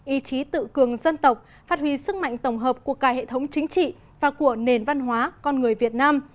ý chí tự cường dân tộc phát huy sức mạnh tổng hợp của cả hệ thống chính trị và của nền văn hóa con người việt nam